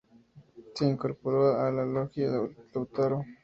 Se incorporó a la Logia Lautaro.